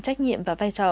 trách nhiệm và vai trò